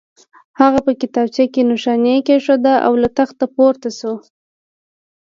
هغه په کتابچه کې نښاني کېښوده او له تخت پورته شو